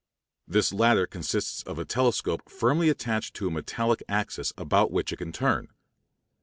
This latter consists of a telescope firmly attached to a metallic axis about which it can turn.